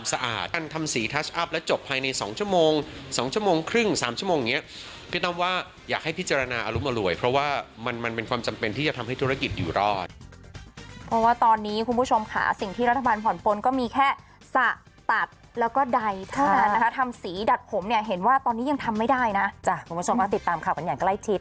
สีทัชอัพและจบภายในสองชั่วโมงสองชั่วโมงครึ่งสามชั่วโมงอย่างเงี้ยพี่ตำว่าอยากให้พิจารณาอรุมอร่วยเพราะว่ามันมันเป็นความจำเป็นที่จะทำให้ธุรกิจอยู่รอดเพราะว่าตอนนี้คุณผู้ชมค่ะสิ่งที่รัฐบาลผ่อนปนก็มีแค่สะตัดแล้วก็ดัยเท่านั้นนะคะทำสีดัดผมเนี้ยเห็นว่าตอนนี้ยังทำ